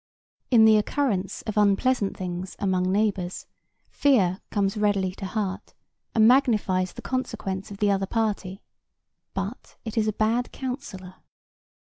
In the occurrence of unpleasant things among neighbors, fear comes readily to heart and magnifies the consequence of the other party; but it is a bad counsellor.